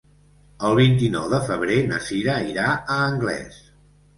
El vint-i-nou de febrer na Cira irà a Anglès.